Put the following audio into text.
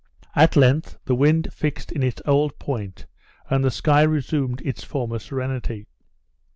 At length the wind fixed in its old point, and the sky resumed its former serenity.